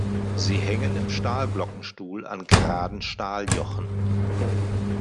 Sie hängen im Stahlglockenstuhl an geraden Stahljochen.